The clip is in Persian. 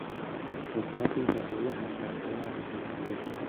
اتاقی دارای حداقل اثاثیه